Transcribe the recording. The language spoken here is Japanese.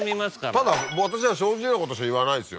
ただ私は正直なことしか言わないですよ。